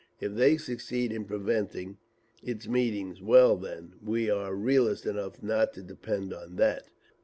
If they succeed in preventing its meeting,—well, then we are realists enough not to depend on _that!